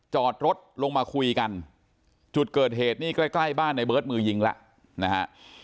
จอดรถลงมาคุยกันจุดเกิดเหตุนี่ใกล้ใกล้บ้านในเบิร์ตมือยิงแล้วนะฮะ